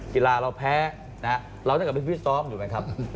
กีฬาเราแพ้นะครับเราต้องกลับไปฟิฟท์ซอฟต์อยู่ไหมครับ